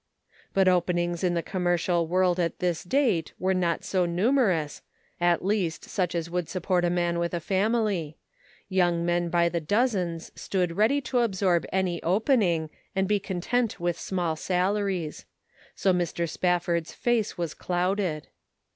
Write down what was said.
But openings in the commercial world at this date were not so numerous — at least such as would support a man with a family ; young men by the dozens stood ready to absorb any opening, and be content with small salaries. So Mr. Spafford's face was clouded.